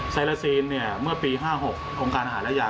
ไซลาซีนเมื่อปี๕๖องค์การหายละยา